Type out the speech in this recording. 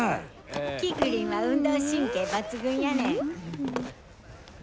キクリンは運動神経抜群やねん！